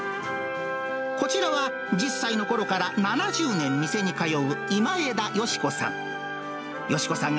こちらは、１０歳のころから７０年、店に通う今枝良子さん。